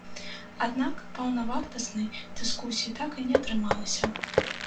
Аднак паўнавартаснай дыскусіі так і не атрымалася.